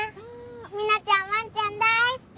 ミナちゃんわんちゃん大好き！